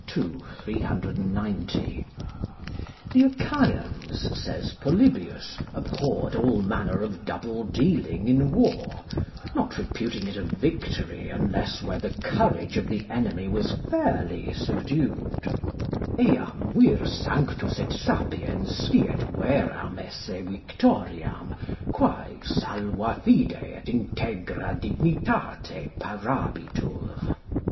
390] The Achaians, says Polybius, abhorred all manner of double dealing in war, not reputing it a victory unless where the courage of the enemy was fairly subdued: "Eam vir sanctus et sapiens sciet veram esse victoriam, quae, salva fide et integra dignitate, parabitur."